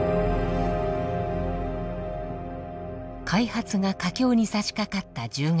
開発が佳境にさしかかった１０月。